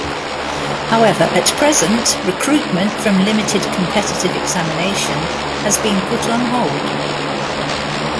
However, at present, recruitment from Limited Competitive Examination has been put on hold.